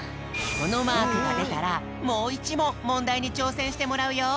このマークがでたらもう１もんもんだいにちょうせんしてもらうよ。